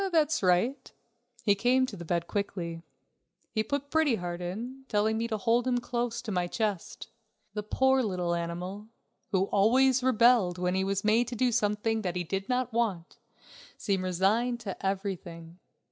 "That's right." He came to the bed quickly. He put Pretty Heart in, telling me to hold him close to my chest. The poor little animal, who always rebelled when he was made to do something that he did not want, seemed resigned to everything.